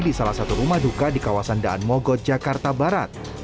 di salah satu rumah duka di kawasan daan mogot jakarta barat